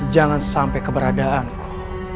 jangan sampai keberadaanku